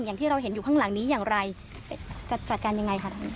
อย่างที่เราเห็นอยู่ข้างหลังนี้อย่างไรจะจัดการยังไงคะท่าน